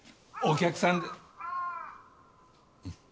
お客さんで。